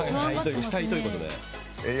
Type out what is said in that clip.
したいということで。